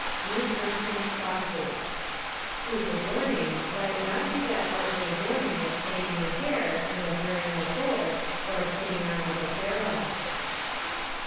Ruth Erskine's Crosses. " Whose adorning Jet it not be that outward adorning of plaiting the hair , and of wearing of gold , or of putting on of apparel.'